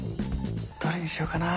どれにしようかな？